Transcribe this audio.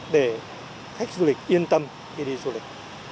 để khách du lịch yên tâm khi đi du lịch